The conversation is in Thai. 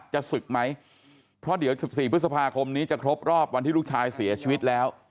จะศึกไหมเพราะเดี๋ยว๑๔พฤษภาคมนี้จะครบรอบวันที่ลูกชายเสียชีวิตแล้ว